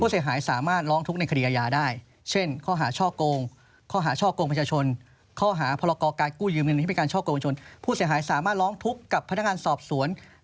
เซ็นทรรภาว